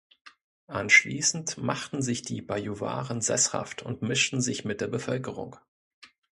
Anschließend machten sich die Bajuwaren sesshaft und mischten sich mit der Bevölkerung.